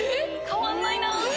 変わんないなぁ。